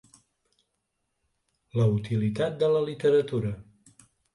La utilitat de la literatura.